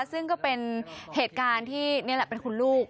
ซึ่งก็เป็นเหตุการณ์ที่นี่แหละเป็นคุณลูก